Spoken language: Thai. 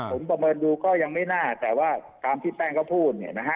ผมประเมินดูก็ยังไม่น่าแต่ว่าตามที่แป้งเขาพูดเนี่ยนะฮะ